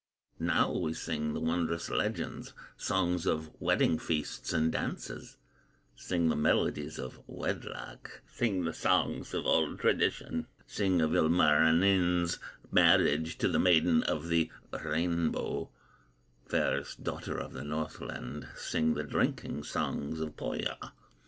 Now we sing the wondrous legends, Songs of wedding feasts and dances, Sing the melodies of wedlock, Sing the songs of old tradition; Sing of Ilmarinen's marriage To the Maiden of the Rainbow, Fairest daughter of the Northland, Sing the drinking songs of Pohya.